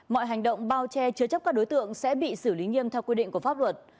mọi hành động bao che chứa chấp các đối tượng sẽ bị xử lý nghiêm theo quy định của pháp luật